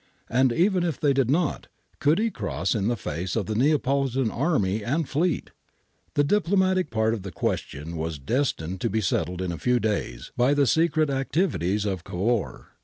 And even if they did not, could he cross in the face of the Neapolitan army and fleet ? The diplomatic part of the question was destined to be settled in a few days by the secret activities of Cavour.